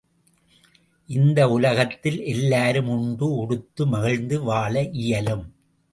இந்த உலகத்தில் எல்லாரும் உண்டு உடுத்து மகிழ்ந்து வாழ இயலும்.